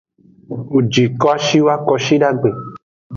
Wo ji kwashiwa kwashidagbe.